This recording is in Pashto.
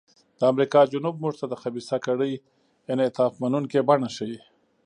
د امریکا جنوب موږ ته د خبیثه کړۍ انعطاف منونکې بڼه ښيي.